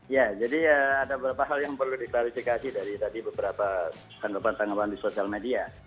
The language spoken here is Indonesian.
ya jadi ada beberapa hal yang perlu diklarifikasi dari tadi beberapa tanggapan tanggapan di sosial media